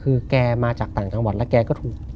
คือแกมาจากต่างจังหวัดแล้วแกก็ถูก